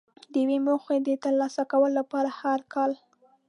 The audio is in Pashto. د یوې موخې د ترلاسه کولو لپاره هر کال.